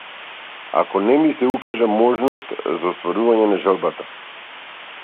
Ама не ми се укажа можност за остварување на желбата.